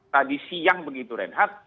tadi siang begitu renhad